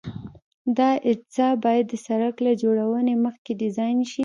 دا اجزا باید د سرک له جوړولو مخکې ډیزاین شي